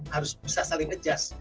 harus bisa saling adjust